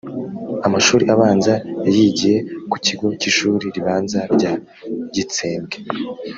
Amashuri abanza yayigiye ku kigo cy’ishuri ribanza rya Gitsembwe